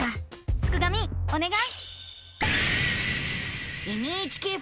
すくがミおねがい！